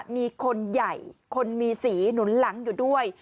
มีคนใหญ่คนมีสีหนุนหลังอยู่ด้วย